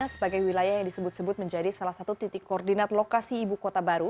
sebagai wilayah yang disebut sebut menjadi salah satu titik koordinat lokasi ibu kota baru